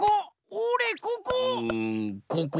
おれここ！